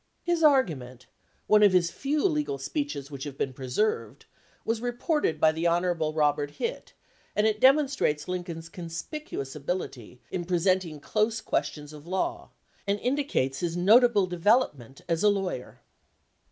His argument, one of his few legal speeches which have been preserved, was reported by the Hon. Robert Hitt, and it demonstrates Lincoln's conspicuous ability in presenting close questions of law, and indicates his notable de velopment as a lawyer.